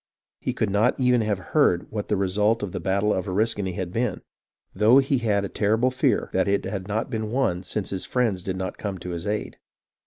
He could not even have heard what the result of the battle at Oriskany had been, though he had a terrible fear that it had not been won. IN THE MOHAWK VALLEY I97 since his friends did not come to his aid.